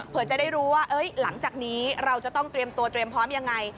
เพื่อจะได้รู้ว่าหลังจากนี้เราจะต้องเตรียมตัวเตรียมพร้อมยังไง